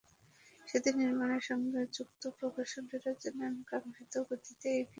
সেতু নির্মাণের সঙ্গে যুক্ত প্রকৌশলীরা জানালেন, কাঙ্ক্ষিত গতিতেই এগিয়ে চলছে পদ্মা সেতুর কাজ।